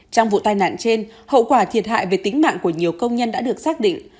trong vụ tai nạn trên hậu quả thiệt hại về tính mạng của nhiều công nhân đã được xác định